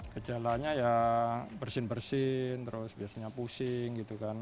gejalanya ya bersin bersin terus biasanya pusing gitu kan